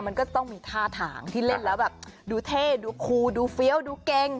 มันก็ต้องมีท่าทางที่เล่นแล้วแบบดูเท่ดูคูดูเฟี้ยวดูเก่ง